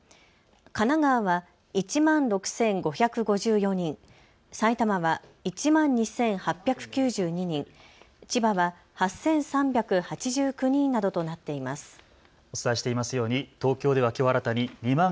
神奈川は１万６５５４人、埼玉は１万２８９２人、千葉は８３８９人などとなっています。